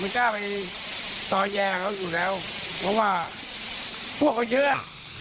กล้าไปต่อแย่เขาอยู่แล้วเพราะว่าพวกเขาเยอะ